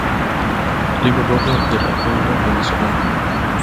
Libro Rojo de la fauna venezolana.